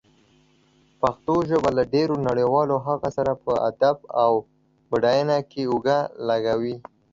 پښتو ژبه له ډېرو نړيوالو هغو سره په ادب او بډاینه کې اوږه لږوي.